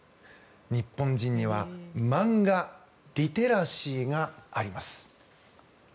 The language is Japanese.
日本人には漫画リテラシーがあります。